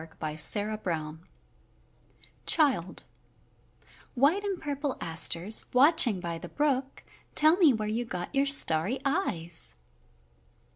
WILD ASTERS CHILD White and purple asters, watching by the brook, Tell me where you got your starry eyes.